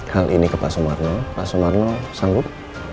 hal ini ke pak sumarno pak sumarno sanggup